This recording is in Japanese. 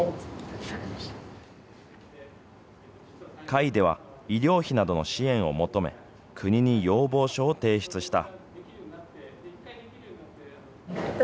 会では、医療費などの支援を求め、国に要望書を提出した。